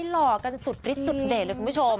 หล่อกันสุดฤทธสุดเด็ดเลยคุณผู้ชม